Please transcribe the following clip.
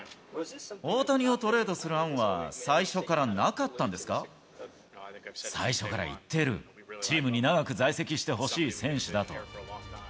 大谷をトレードする案は最初最初から言ってる、チームに長く在籍してほしい選手だと。